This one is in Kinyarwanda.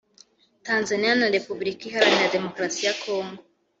Tanzaniya na Republika iharanira demokarasi ya Congo